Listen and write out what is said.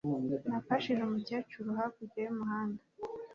Nafashije umukecuru hakurya yumuhanda